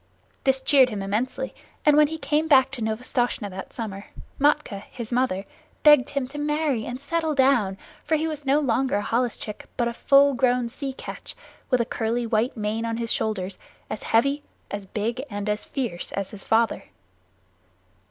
This cheered him immensely; and when he came back to Novastoshnah that summer, Matkah, his mother, begged him to marry and settle down, for he was no longer a holluschick but a full grown sea catch, with a curly white mane on his shoulders, as heavy, as big, and as fierce as his father.